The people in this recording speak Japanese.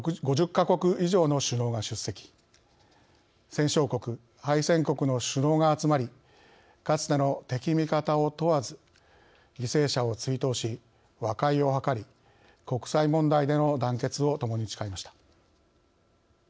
戦勝国敗戦国の首脳が集まりかつての敵味方を問わず犠牲者を追悼し和解を図り国際問題での団結をともに誓いました。